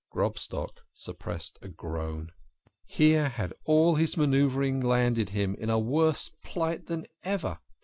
" Grobstock suppressed a groan. Here had all his manoeuvring landed him in a worse plight than ever.